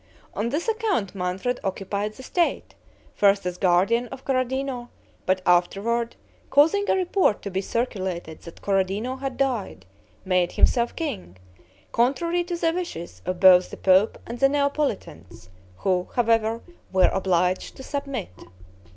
On this account Manfred occupied the state, first as guardian of Corradino, but afterward, causing a report to be circulated that Corradino had died, made himself king, contrary to the wishes of both the pope and the Neapolitans, who, however, were obliged to submit.